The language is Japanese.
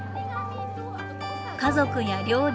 家族や料理